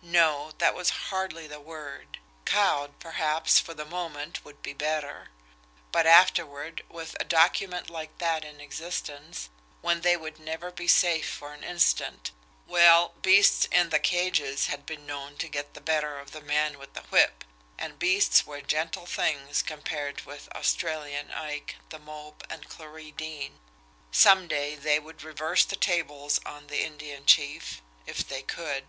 No; that was hardly the word cowed, perhaps, for the moment, would be better. But afterward, with a document like that in existence, when they would never be safe for an instant well, beasts in the cages had been known to get the better of the man with the whip, and beasts were gentle things compared with Australian Ike, The Mope, and Clarie Deane! Some day they would reverse the tables on the Indian Chief if they could.